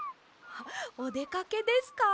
おでかけですか？